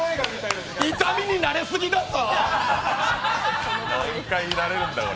痛みに慣れすぎだぞ。